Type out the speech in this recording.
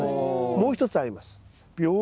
もう１つあります。